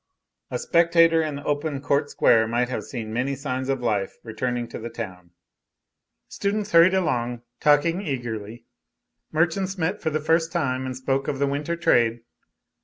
A spectator in the open court square might have seen many signs of life returning to the town. Students hurried along, talking eagerly. Merchants met for the first time and spoke of the winter trade.